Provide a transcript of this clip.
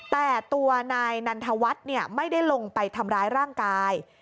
แต่ตัวนายนันทวัฒน์ไม่ได้ลงไปทำร้ายร่างกาย